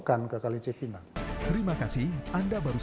dan juga kemampuan yang baik